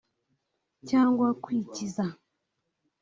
cyangwa kwikiza”